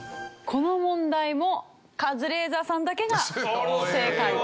この問題もカズレーザーさんだけが正解。